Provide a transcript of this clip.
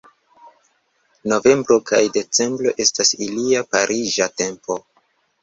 Novembro kaj decembro estas ilia pariĝa tempo.